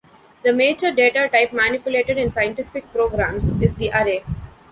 The major data type manipulated in scientific programs is the array.